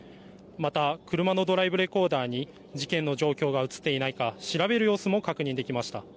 また、車のドライブレコーダーに事件の状況が写っていないか調べる様子も確認できました。